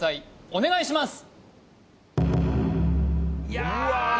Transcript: お願いします